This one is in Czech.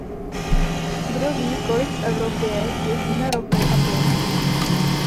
Kdo ví, kolik v Evropě těžíme ropy a plynu?